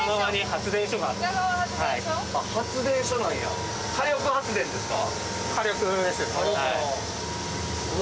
発電所なんやこれ。